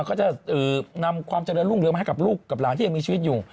มันก็จะนำความเจริญรุ่งเรืองให้หลานที่อย่างมีชีวิตอยู่